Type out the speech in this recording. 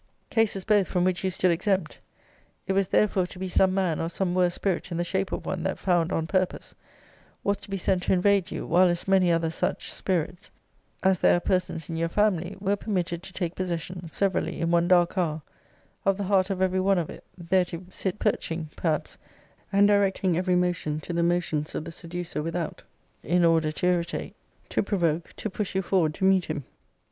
Cases, both, from which you stood exempt. It was therefore to be some man, or some worse spirit in the shape of one, that, formed on purpose, was to be sent to invade you; while as many other such spirits as there are persons in your family were permitted to take possession, severally, in one dark hour, of the heart of every one of it, there to sit perching, perhaps, and directing every motion to the motions of the seducer without, in order to irritate, to provoke, to push you forward to meet him.